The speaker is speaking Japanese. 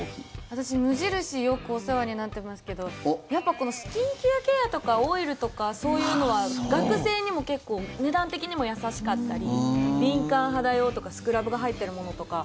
私、無印よくお世話になってますけどやっぱ、このスキンケアとかオイルとかそういうのは学生にも結構値段的にも優しかったり敏感肌用とかスクラブが入っているものとか。